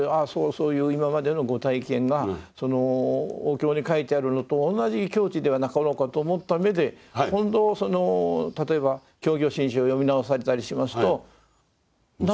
そういう今までのご体験がお経に書いてあるのと同じ境地ではなかろうかと思った目で今度例えば「教行信証」を読み直されたりしますと納得できるとこが。